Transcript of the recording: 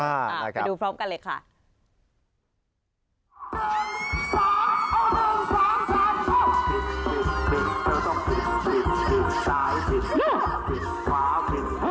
ไปดูพร้อมกันเลยค่ะนะครับ